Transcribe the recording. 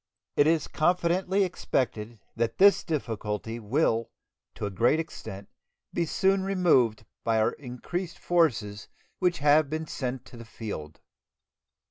It is confidently expected that this difficulty will to a great extent be soon removed by our increased forces which have been sent to the field.